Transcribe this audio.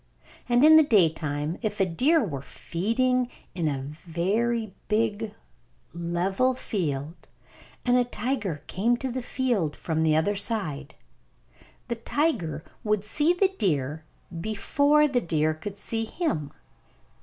And in the daytime, if a deer were feeding in a very big level field, and a tiger came to the field from the other side, the tiger would see the deer before the deer could see him.